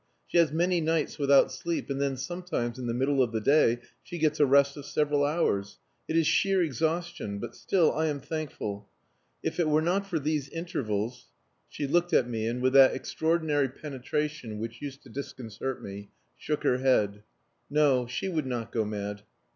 She has many nights without sleep, and then sometimes in the middle of the day she gets a rest of several hours. It is sheer exhaustion but still, I am thankful.... If it were not for these intervals...." She looked at me and, with that extraordinary penetration which used to disconcert me, shook her head. "No. She would not go mad."